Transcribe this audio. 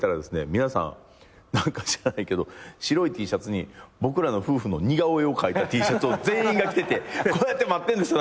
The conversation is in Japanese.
皆さん何か知らないけど白いＴシャツに僕らの夫婦の似顔絵を描いたＴシャツを全員が着ててこうやって待ってんですよ